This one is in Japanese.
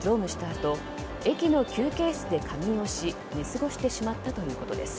あと駅の休憩室で仮眠をし寝過ごしてしまったということです。